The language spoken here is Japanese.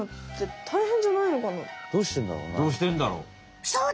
どうしてんだろうね？